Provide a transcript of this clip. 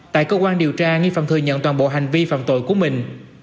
tại cơ quan điều tra nghi phạm thừa nhận toàn bộ hành vi phạm tội của mình